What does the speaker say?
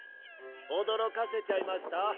おどろかせちゃいました？